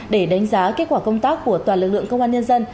để đánh giá kết quả công tác của toàn lực lượng công an nhân dân